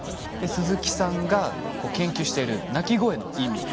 鈴木さんが研究している鳴き声の意味。